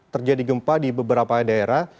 terjadi gempa di beberapa daerah